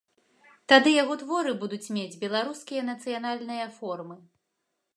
Тады яго творы будуць мець беларускія нацыянальныя формы.